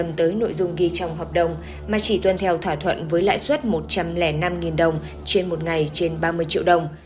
chị hát không có những nội dung ghi trong hợp đồng mà chỉ tuân theo thỏa thuận với lãi suất một trăm linh năm đồng trên một ngày trên ba mươi triệu đồng